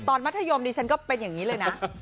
ตอนวัฒนธรรมนี้ฉันก็เป็นอย่างนี้เลยน่ะ